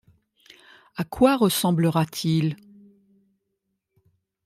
à quoi ressemblera-t-il ?